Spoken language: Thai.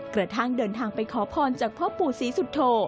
กระทั่งเดินทางไปขอพรจากพ่อปู่ศรีสุโธ